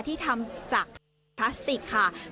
ที่ทำจากพลาสติกค่ะ